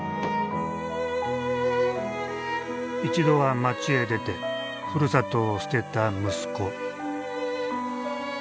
一度は町へ出てふるさとを捨てた息子。